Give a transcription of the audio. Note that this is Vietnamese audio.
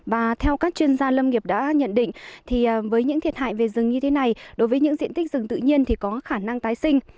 và theo các chuyên gia lâm nghiệp đã nhận định với những thiệt hại về rừng như thế này đối với những diện tích rừng tự nhiên thì có khả năng tái sinh